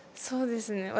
そうですね。